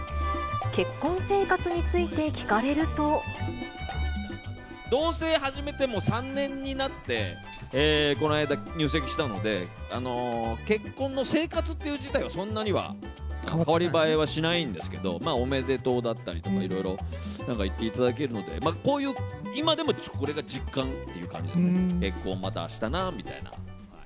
結婚生活について同せい始めてもう３年になって、この間、入籍したので、結婚の生活っていう自体は、そんなには代わり映えはしないんですけど、おめでとうだったりとかいろいろ、なんか言っていただけるので、こういう、今でもこれが、実感していう感じで、結婚またしたなっていう。